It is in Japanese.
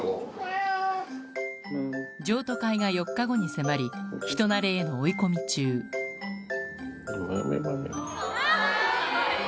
譲渡会が４日後に迫り人なれへの追い込み中豆豆。